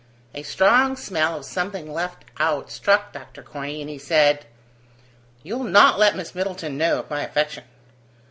A strong smell of something left out struck Dr. Corney, and he said: "You'll not let Miss Middleton know of my affection.